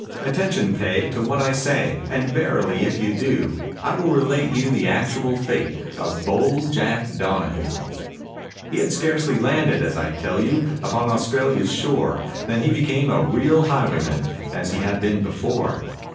Attention pay to what I say, And verily if you do, I will relate you the actual fate Of bold Jack Donahoo. He had scarcely landed, as I tell you, Upon Australia's shore, Than he became a real highwayman, As he had been before.